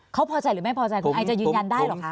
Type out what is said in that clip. เขาพอใจหรือไม่พอใจคุณไอจะยืนยันได้หรอคะ